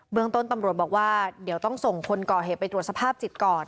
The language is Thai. เมืองต้นตำรวจบอกว่าเดี๋ยวต้องส่งคนก่อเหตุไปตรวจสภาพจิตก่อน